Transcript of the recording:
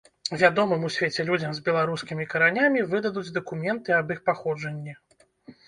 Вядомым у свеце людзям з беларускімі каранямі выдадуць дакументы аб іх паходжанні.